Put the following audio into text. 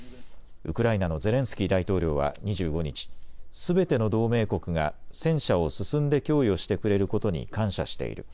ウクライナのゼレンスキー大統領は２５日、すべての同盟国が戦車を進んで供与してくれることに感謝している。